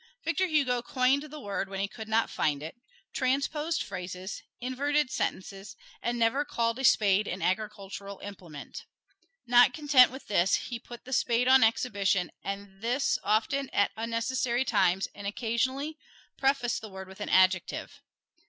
Victor Hugo coined the word when he could not find it, transposed phrases, inverted sentences, and never called a spade an agricultural implement. Not content with this, he put the spade on exhibition and this often at unnecessary times, and occasionally prefaced the word with an adjective.